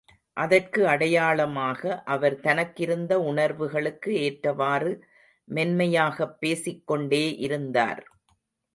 அதற்கு அடையாளமாக அவர் தனக்கிருந்த உணர்வுகளுக்கு ஏற்றவாறு மென்மையாகப் பேசிக் கொண்டே இருந்தார்.